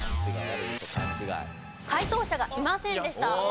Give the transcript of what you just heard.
解答者がいませんでした。